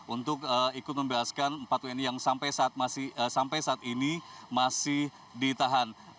untuk ikut membebaskan empat wni yang sampai saat ini masih ditahan